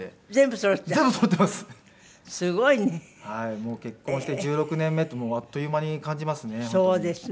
もう結婚して１６年目ってあっという間に感じますね。